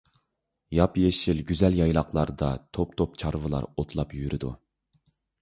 ياپيېشىل، گۈزەل يايلاقلاردا توپ-توپ چارۋىلار ئوتلاپ يۈرىدۇ.